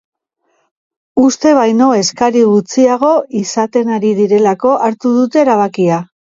Uste baino eskari gutxiago izaten ari direlako hartu dute erabakia.